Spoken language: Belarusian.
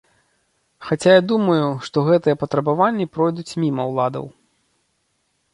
Хаця я думаю, што гэтыя патрабаванні пройдуць міма ўладаў.